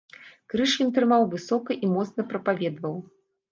Крыж ён трымаў высока і моцна прапаведаваў.